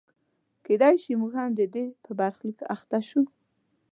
کېدای شي موږ هم د ده په برخلیک اخته شو.